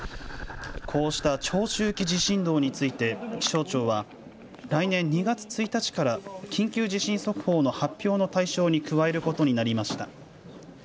こうした長周期地震動について気象庁は来年２月１日から緊急地震速報の発表の対象に加えることになりました。